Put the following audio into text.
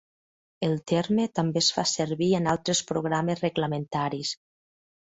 El terme també es fa servir en altres programes reglamentaris.